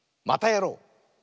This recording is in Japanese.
「またやろう！」。